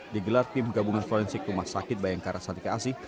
digelar tim gabungan forensik rumah sakit bayangkara satika asih